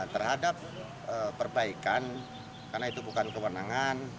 terhadap perbaikan karena itu bukan kewenangan